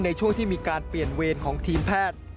ในช่วงที่มีการเปลี่ยนเวรของทีมแพทย์